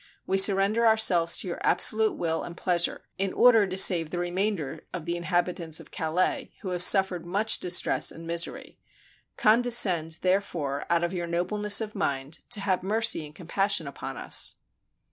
We surrender ourselves to your absolute will and pleas ure, in order to save the remainder of the inhabitants 183 FRANCE of Calais, who have suffered much distress and misery. Condescend, therefore, out of your nobleness of mind, to have mercy and compassion upon us."